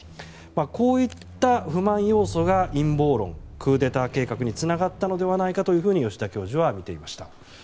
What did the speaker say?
こういった不満要素が陰謀論、クーデター計画につながったのではないかと吉田教授はみていました。